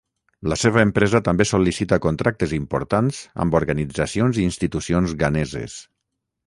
La seva empresa també sol·licita contractes importants amb organitzacions i institucions ghaneses.